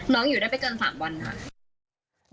อยู่ได้ไม่เกิน๓วันค่ะ